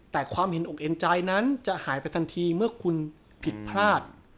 แต่ความเห็นอกเอ็นใจนั้นจะหายไปทันทีเมื่อคุณผิดพลาด